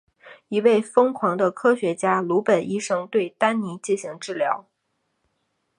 一位疯狂的科学家鲁本医生对丹尼进行治疗。